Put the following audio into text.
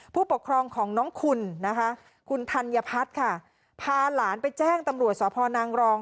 ผู้ปกครองของน้องคุณนะคะคุณธัญพัฒน์ค่ะพาหลานไปแจ้งตำรวจสพนางรอง